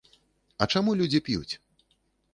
А чаму людзі п'юць?